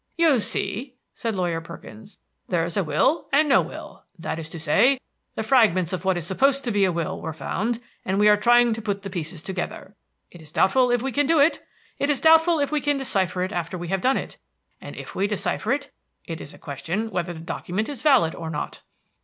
"You see," said Lawyer Perkins, "there's a will and no will, that is to say, the fragments of what is supposed to be a will were found, and we are trying to put the pieces together. It is doubtful if we can do it; it is doubtful if we can decipher it after we have done it; and if we decipher it it is a question whether the document is valid or not."